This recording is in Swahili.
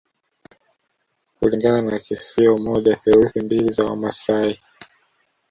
Kulingana na kisio moja theluthi mbili za Wamaasai